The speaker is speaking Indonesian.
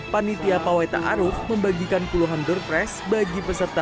panitia pawaita aruf membagikan puluhan doorpress bagi peserta